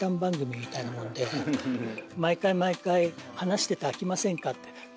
毎回毎回話してて飽きませんかって。